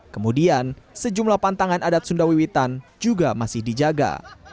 kemudian sejumlah pantangan adat sunda wiwitan juga masih dijaga